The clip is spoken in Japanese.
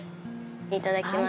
いただきます。